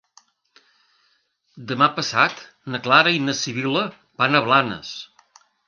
Demà passat na Clara i na Sibil·la van a Blanes.